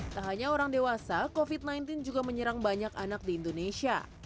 tak hanya orang dewasa covid sembilan belas juga menyerang banyak anak di indonesia